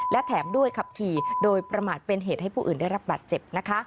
และแถมด้วยขับขี่โดยประมาทเป็นเหตุให้ผู้อื่นได้รับบาดเจ็บนะคะ